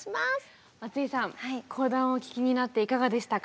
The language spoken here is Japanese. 松井さん講談をお聞きになっていかがでしたか？